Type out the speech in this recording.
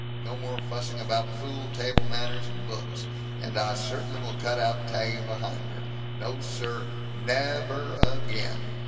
No more fussing about fool table manners and books, and I certainly will cut out tagging behind her! No, sir! Nev er again!"